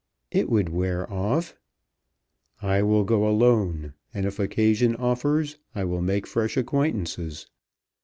"It would wear off." "I will go alone; and if occasion offers I will make fresh acquaintances.